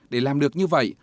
để làm được như vậy